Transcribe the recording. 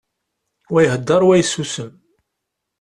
Wa ihedder, wa yessusum.